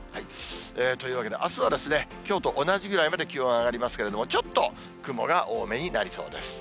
というわけであすは、きょうと同じぐらいまで気温上がりますけれども、ちょっと雲が多めになりそうです。